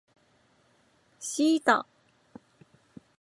シータ